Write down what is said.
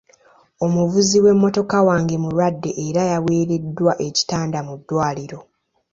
Omuvuzi w'emmotoka wange mulwadde era yaweereddwa ekitanda mu ddwaliro.